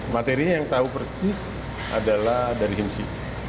materinya yang tahu persis adalah dari himsi